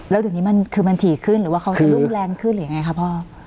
แล้วตอนนี้คือมันถี่ขึ้นหรือว่าเขาจะรุ่นแรงขึ้นหรือยังไงครับพ่อ